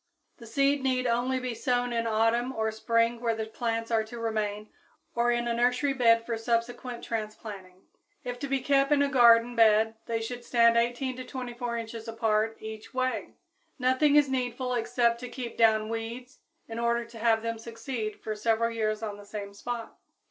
The seed need only be sown in autumn or spring where the plants are to remain or in a nursery bed for subsequent transplanting. If to be kept in a garden bed they should stand 18 to 24 inches apart each way. Nothing is needful except to keep down weeds in order to have them succeed for several years on the same spot.